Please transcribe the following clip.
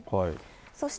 そして。